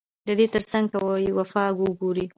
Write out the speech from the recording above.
ددې ترڅنګ که يې وفا وګورې